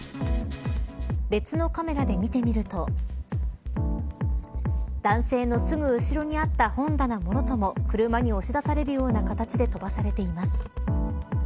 別のカメラで見てみると男性のすぐ後ろにあった本棚もろとも車に押し出されるような形で飛ばされています。